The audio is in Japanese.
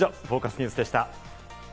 ニュースでした。